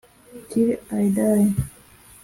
“Till I die”